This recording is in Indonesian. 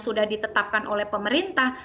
sudah ditetapkan oleh pemerintah